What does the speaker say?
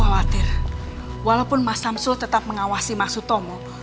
aku khawatir walaupun mas samsul tetap mengawasi mas utomo